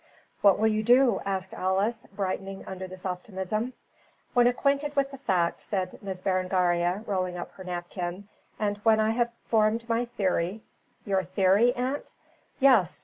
"What will you do?" asked Alice, brightening under this optimism. "When acquainted with the facts," said Miss Berengaria, rolling up her napkin, "and when I have formed my theory " "Your theory, aunt?" "Yes!